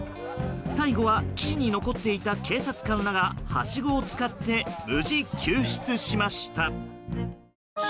最後は岸に残っていた警察官らがはしごを使って無事救出しました。